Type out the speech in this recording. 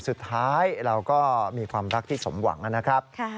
สุดท้ายเราก็มีความรักที่สมหวังนะครับ